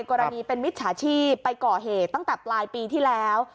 กรณีเป็นมิจฉาชีพไปก่อเหตุตั้งแต่ปลายปีที่แล้ว